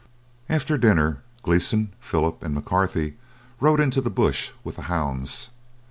After dinner Gleeson, Philip, and McCarthy rode into the bush with the hounds.